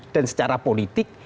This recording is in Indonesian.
dan secara politik